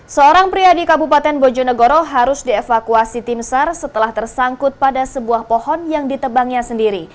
seorang pria di kabupaten bojonegoro harus dievakuasi tim sar setelah tersangkut pada sebuah pohon yang ditebangnya sendiri